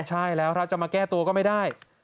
ใช่แล้วถ้าจะมาแก้ตัวก็ไม่ได้